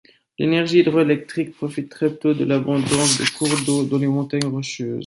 L'énergie hydroélectrique profite très tôt de l'abondance de cours d'eau dans les Montagnes rocheuses.